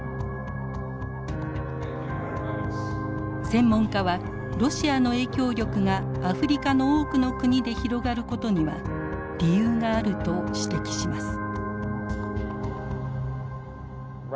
専門家はロシアの影響力がアフリカの多くの国で広がることには理由があると指摘します。